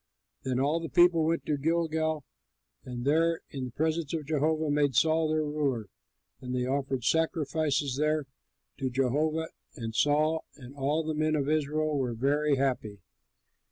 Then all the people went to Gilgal and there in the presence of Jehovah made Saul their ruler, and they offered sacrifices there to Jehovah; and Saul and all the men of Israel were very happy.